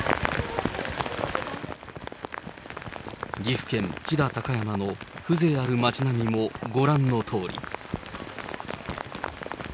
岐阜県飛騨高山の風情ある町並みもご覧のとおり。